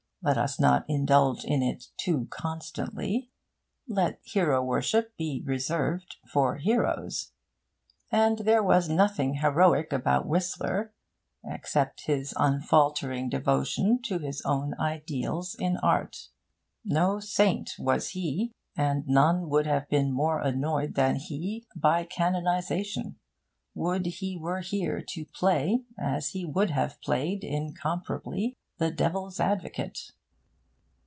Let us not indulge in it too constantly. Let hero worship be reserved for heroes. And there was nothing heroic about Whistler, except his unfaltering devotion to his own ideals in art. No saint was he, and none would have been more annoyed than he by canonisation; would he were here to play, as he would have played incomparably, the devil's advocate!